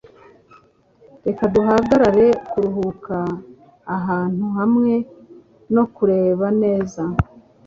Reka duhagarare kuruhuka ahantu hamwe no kureba neza.